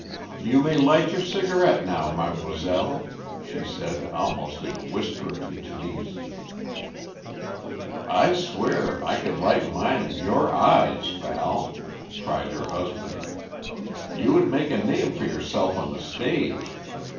"You may light your cigarette now, mademoiselle," she said almost in a whisper to Tenise. "I swear I could light mine in your eyes, Val.," cried her husband. "You would make a name for yourself on the stage.